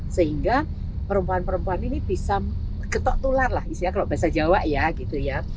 sehingga perempuan perempuan ini bisa getok tular lah kalau bahasa jawa ya gitu ya